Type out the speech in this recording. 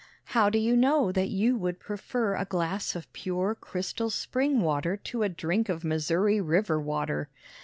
How do you know that you would prefer a glass of pure crystal spring water to a drink of Missouri river water?